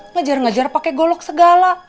ngejar ngejar pakai golok segala